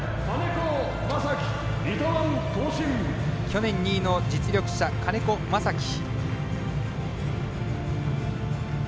去年２位の実力者金子雅紀。